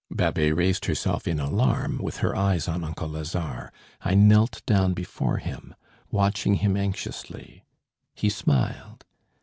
Babet raised herself in alarm, with her eyes on uncle Lazare. I knelt down before him, watching him anxiously. He smiled.